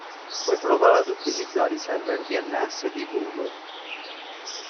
Puoi provare ad utilizzare i server DNS di Google.